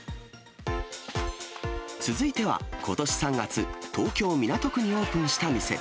続いては、ことし３月、東京・港区にオープンした店。